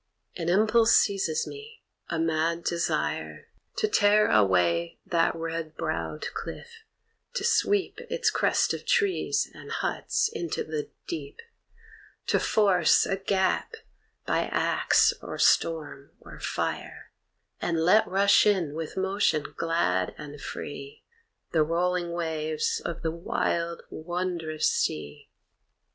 An impulse seizes me, a mad desire To tear away that red browed cliff, to sweep Its crest of trees and huts into the deep; To force a gap by axe, or storm, or fire, And let rush in with motion glad and free The rolling waves of the wild wondrous sea.